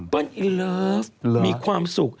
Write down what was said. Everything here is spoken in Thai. เบิ้ลอิลาร์สมีความสุข